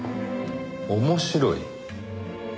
面白い？